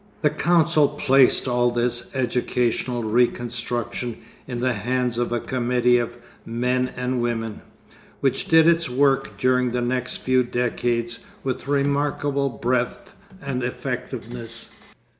The council placed all this educational reconstruction in the hands of a committee of men and women, which did its work during the next few decades with remarkable breadth and effectiveness.